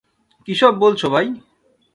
কীসব বলছো, ভাই?